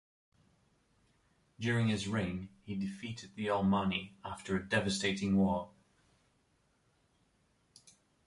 During his reign, he defeated the Alamanni after a devastating war.